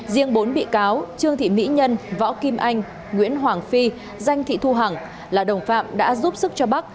riêng bốn bị cáo trương thị mỹ nhân võ kim anh nguyễn hoàng phi danh thị thu hằng là đồng phạm đã giúp sức cho bắc